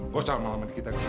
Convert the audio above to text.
gak usah malam malam kita disini